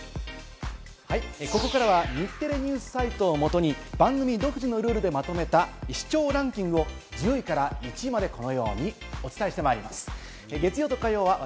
ここからは日テレＮＥＷＳサイトをもとに、番組独自のルールでまとめた視聴ランキングを１０位から１位まで、このようにお伝えしてまいります。